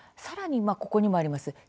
さらに、ここにもあります